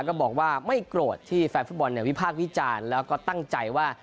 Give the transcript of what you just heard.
ก็บอกว่าไม่โกรธที่แฟนฟุตบอลวิพากษ์วิจารณ์แล้วก็ตั้งใจว่า